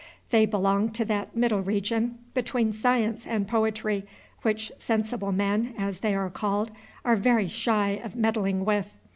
They belong to that middle region between science and poetry which sensible men, as they are called, are very shy of meddling with.